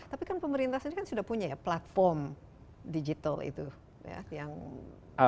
tapi kan pemerintah sendiri kan sudah punya ya platform digital itu ya